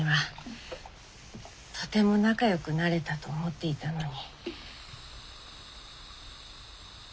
とても仲良くなれたと思っていたのに。